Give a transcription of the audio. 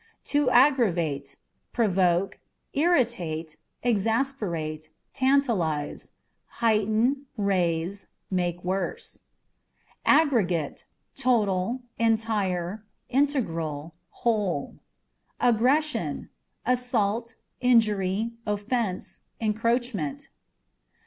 To Aggravate â€" provoke, irritate, exasperate, tantalize ; heighten, raise, make worse. Aggregate â€" total, entire, integral, whole. Aggression â€" assault, injury, offence, encroachment.